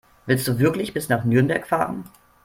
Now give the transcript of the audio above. Willst du wirklich bis nach Nürnberg fahren?